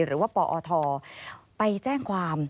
หรือว่าปอทไปแจ้งความ